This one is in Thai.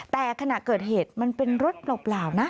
แต่ขณะเกิดเหตุมันเป็นรถเปล่านะ